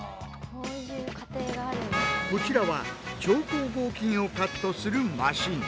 こちらは超硬合金をカットするマシン。